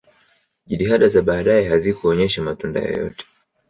jitihada za baadaye hazikuonyesha matunda yoyote